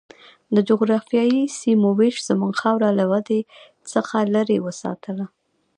د جغرافیایي سیمو وېش زموږ خاوره له ودې څخه لرې وساتله.